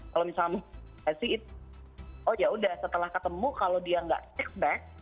kalau misalnya antisipasi itu oh yaudah setelah ketemu kalau dia gak text back